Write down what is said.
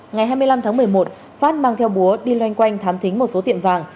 ngày hai mươi năm tháng một mươi một phát mang theo búa đi loanh quanh thám thính một số tiệm vàng